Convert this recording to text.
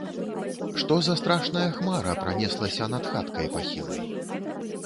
Што за страшная хмара пранеслася над хаткай пахілай?